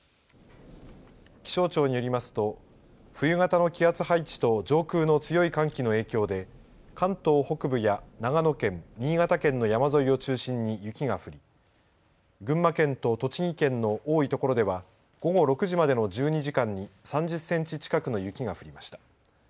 気象庁によりますと冬型の気圧配置と上空の強い寒気の影響で関東北部や長野県、新潟県の山沿いを中心に雪が降り群馬県と栃木県の多いところでは午後６時までの１２時間に３０センチ近くの雪が降りました。